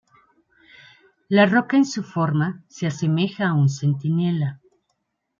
La roca, en su forma, se asemeja a un centinela.